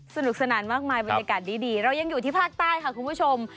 สนุกสนานมากมายบรรยากาศดีเรายังอยู่ที่ภาคใต้ค่ะคุณผู้ชม